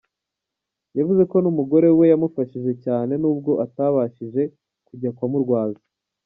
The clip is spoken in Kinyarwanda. Yavuze ko n’umugore we yamufashije cyane nubwo atabashije kujya kumurwaza.